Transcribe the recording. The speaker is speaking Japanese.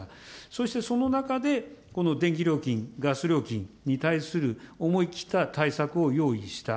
そしてその中で、この電気料金、ガス料金に対する思い切った対策を用意した。